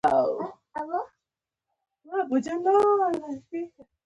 دا له شرمه کمه خبره نه ده.